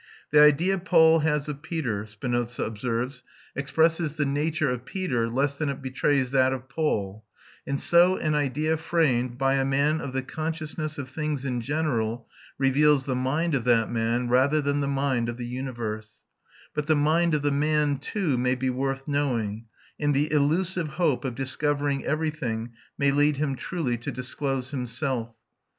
The idea Paul has of Peter, Spinoza observes, expresses the nature of Peter less than it betrays that of Paul; and so an idea framed by a man of the consciousness of things in general reveals the mind of that man rather than the mind of the universe; but the mind of the man too may be worth knowing, and the illusive hope of discovering everything may lead him truly to disclose himself.